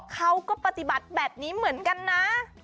เขาก็ปฏิบัติแบบนี้เหมือนกันนะ